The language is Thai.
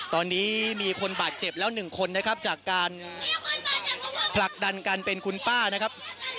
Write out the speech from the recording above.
ตอนนี้มีคนบาดเจ็บแล้วหนึ่งคนนะครับจากการผลักดันการเป็นคุณป้านะครับ